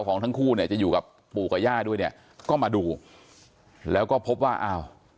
ของทั้งคู่เนี่ยจะอยู่กับปู่กับย่าด้วยเนี่ยก็มาดูแล้วก็พบว่าอ้าว